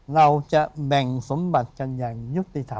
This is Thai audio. เราจะแบ่งสมบัติกันอย่างยุติธรรม